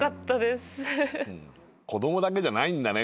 子供だけじゃないんだね。